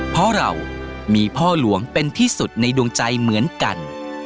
เพราะเรามีพ่อหลวงเป็นที่สุดในดวงใจเหมือนกัน